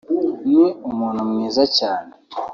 ni umuntu mwiza cyane